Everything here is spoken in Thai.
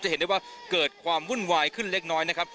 เห็นได้ว่าเกิดความวุ่นวายขึ้นเล็กน้อยนะครับ